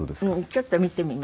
ちょっと見てみます？